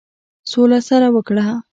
سوله سره وکړه.